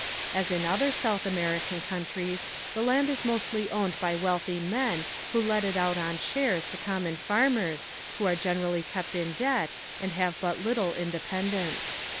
As in other South American countries the land is mostly owned by wealthy men who let it out on shares to common farmers who are generally kept in debt and have but little independence.